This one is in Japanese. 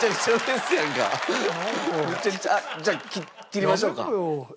あっじゃあ切りましょうか？